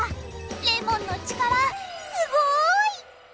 レモンの力すごい！